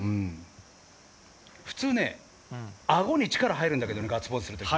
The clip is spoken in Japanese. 普通ね、アゴに力入るんだけどね、ガッツポーズすると。